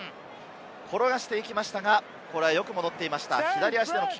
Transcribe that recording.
転がしていきましたが、よく戻っていました。